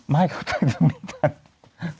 ไม่เขาถ่ายเทิงมีทัศน์